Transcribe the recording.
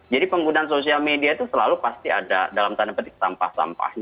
jadi penggunaan sosial media itu juga bisa dilepaskan dari personal branding yang dikonstruksi melalui social media ini